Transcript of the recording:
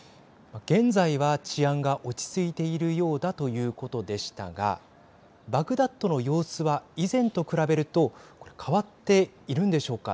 現在は治安が落ち着いているようだということでしたがバグダッドの様子は以前と比べると、これ変わっているんでしょうか。